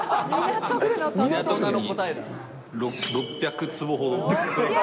港区に６００坪ほど。